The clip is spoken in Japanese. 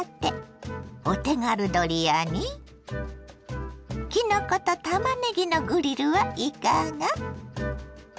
お手軽ドリアにきのことたまねぎのグリルはいかが。